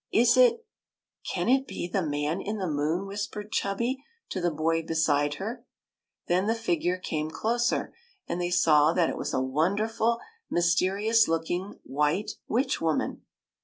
"Is it — can it be the man in the moon?" whispered Chubby to the boy beside her. Then the figure came closer, and they saw that it was a wonderful, mysterious looking, white witch woman.